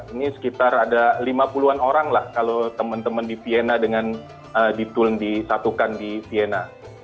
ini sekitar ada lima puluh an orang lah kalau teman teman di vienna dengan di tun disatukan di vienna